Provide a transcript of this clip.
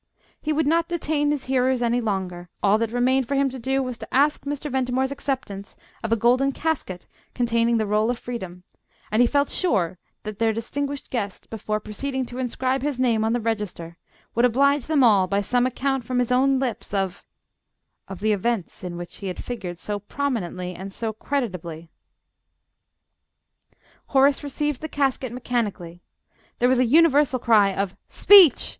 He would not detain his hearers any longer; all that remained for him to do was to ask Mr. Ventimore's acceptance of a golden casket containing the roll of freedom, and he felt sure that their distinguished guest, before proceeding to inscribe his name on the register, would oblige them all by some account from his own lips of of the events in which he had figured so prominently and so creditably. Horace received the casket mechanically; there was a universal cry of "Speech!"